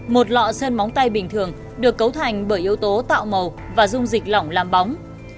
một lọ sân bóng tay bình thường được cấu thành bởi yếu tố tạo màu và dung dịch lỏng làm bóng